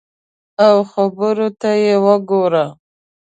او خبرو ته یې وګوره !